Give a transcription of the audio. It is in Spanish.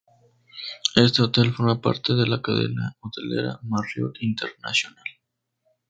Este hotel forma parte de la cadena hotelera Marriott International.